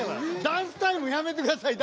ダンスタイムやめてください